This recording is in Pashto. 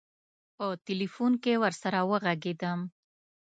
په تیلفون کې ورسره وږغېدم.